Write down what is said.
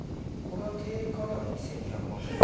これは定価では２２００万ぐらい。